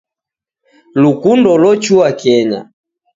Lukundo lochua kenya.